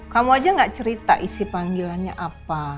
kamu aja gak cerita isi panggilannya apa